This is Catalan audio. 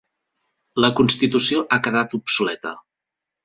La Constitució ha quedat obsoleta.